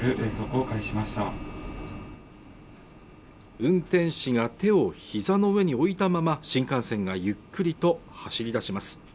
運転士が手を膝の上に置いたまま新幹線がゆっくりと走り出します。